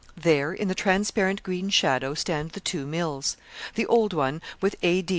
There, in the transparent green shadow, stand the two mills the old one with A.D.